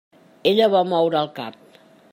Ella va moure el cap.